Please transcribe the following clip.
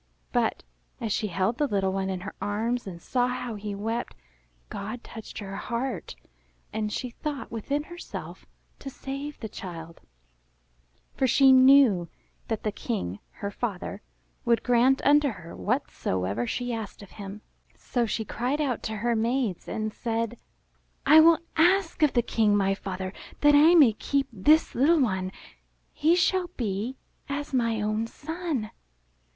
But, as she held the little one in her arms and saw how he wept, God touched her heart, and she thought within herself to save the child, for she 4^0 IN THE NURSERY 421 MY BOOK HOUSE knew that the King, her father, would grant unto her whatsoever she asked of him. So she cried out to her maids and said, '1 will ask of the King, my father, that I may keep this little ^ one. He shall be as my own son."